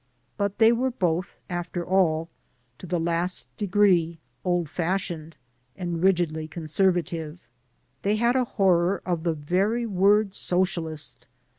But they were both, after all, to the last degree old fashioned and rigidly conservative. They had a horror of the very word "socialist."